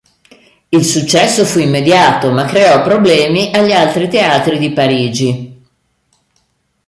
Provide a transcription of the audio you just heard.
Il successo fu immediato ma creò problemi agli altri teatri di Parigi.